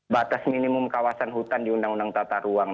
batas minimum kawasan hutan di undang undang tata ruang